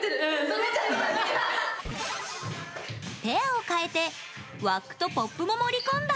ペアを変えてワックとポップも盛り込んだ。